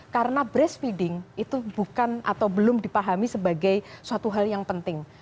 karena breastfeeding itu bukan atau belum dipahami sebagai suatu hal yang penting